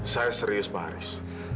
saya serius pak haris